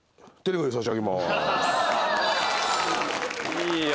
いいよ